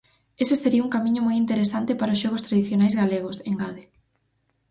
Ese sería un camiño moi interesante para os xogos tradicionais galegos, engade.